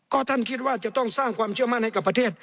ก็ท่านคิดว่าจะต้องสร้างความเชื่อมั่นให้กับประเทศ